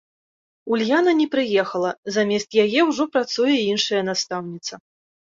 Ульяна не прыехала, замест яе ўжо працуе іншая настаўніца.